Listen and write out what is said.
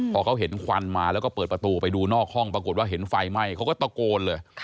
พอเขาเห็นควันมาแล้วก็เปิดประตูไปดูนอกห้องปรากฏว่าเห็นไฟไหม้เขาก็ตะโกนเลย